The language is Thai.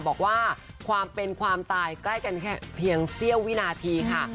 บอกว่าความเป็นความตายใกล้กันแค่เพียงเสี้ยววินาทีค่ะ